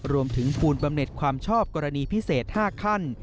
รวมถึงภูมิปำเน็ตความชอบกรณีพิเศษ๕ขั้น